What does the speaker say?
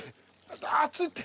熱いって。